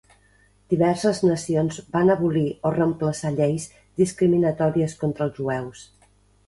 Diverses nacions van abolir o reemplaçar lleis discriminatòries contra els jueus.